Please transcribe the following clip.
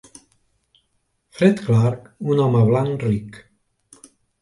Fred Clarke: un home blanc ric.